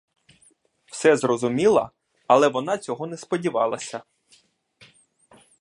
Все зрозуміла, але вона цього не сподівалася.